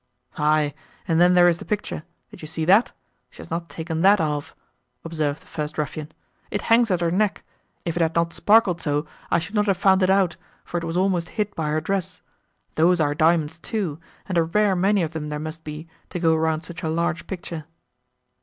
"Aye, and then there is the picture; did you see that? She has not taken that off," observed the first ruffian, "it hangs at her neck; if it had not sparkled so, I should not have found it out, for it was almost hid by her dress; those are diamonds too, and a rare many of them there must be, to go round such a large picture."